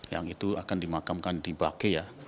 yang itu akan dimakamkan di bakea